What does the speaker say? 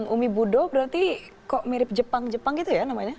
umbibudo berarti kok mirip jepang jepang gitu ya namanya